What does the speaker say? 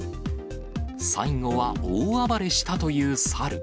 最後は大暴れしたという猿。